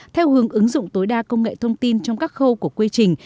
theo hướng ứng dụng tối đa công nghệ thông tin trong các khâu của quy trình